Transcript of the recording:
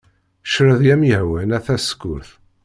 Creḍ i am-yehwan a tasekkurt.